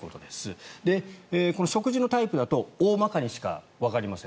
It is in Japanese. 食事のタイプだと大まかにしかわかりません。